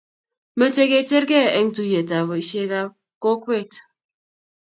meche ke cheergei eng' tuyietab boisiekab kokwet.